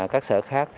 các sở khác